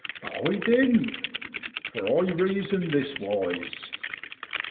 But I didn't, for I reasoned this wise.